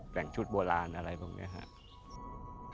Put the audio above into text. แต่งชุดโบราณอะไรพวกนี้ครับ